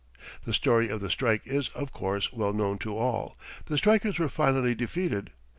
The story of the strike is, of course, well known to all. The strikers were finally defeated.